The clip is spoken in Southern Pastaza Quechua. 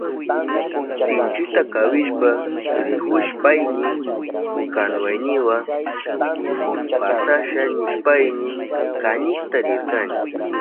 Sinchita kawishpa rihushpayni kanuwayniwa pasasha nishpayni kanikta rirkani.